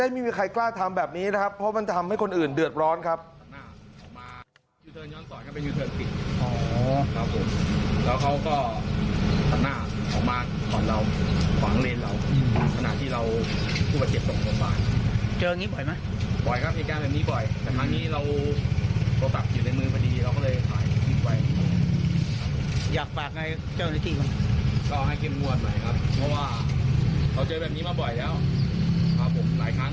เพราะมันจะทำให้คนอื่นเดือดร้อนครับ